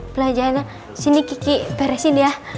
pelajaran sini kiki beresin ya